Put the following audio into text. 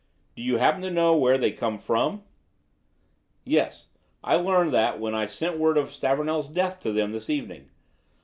"Do you happen to know where they come from?" "Yes. I learned that when I sent word of Stavornell's death to them this evening.